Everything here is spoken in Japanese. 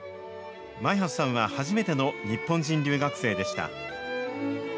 前橋さんは初めての日本人留学生でした。